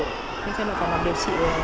nên phải làm điều trị